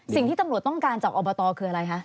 สิ่งที่ตำรวจต้องการจากอบตคืออะไรคะ